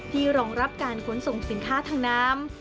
รองรับการขนส่งสินค้าทางน้ำ